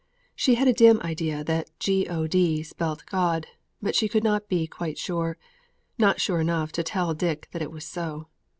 She had a dim idea that G O D spelt God, but she could not be quite sure not sure enough to tell Dick that it was so.